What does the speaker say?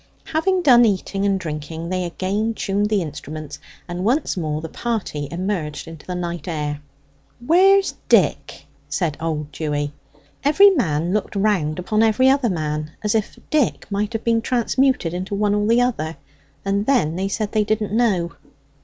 Having done eating and drinking, they again tuned the instruments, and once more the party emerged into the night air. "Where's Dick?" said old Dewy. Every man looked round upon every other man, as if Dick might have been transmuted into one or the other; and then they said they didn't know.